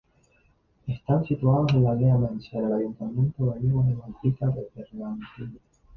Están situadas en la aldea Mens, en el ayuntamiento gallego de Malpica de Bergantiños.